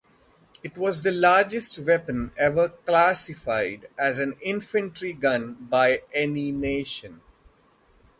It was the largest weapon ever classified as an infantry gun by any nation.